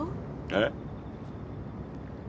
えっ？